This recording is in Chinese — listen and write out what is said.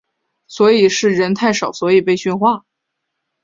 所以是人太少所以被训话？